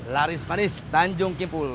laris laris tanjung kimpul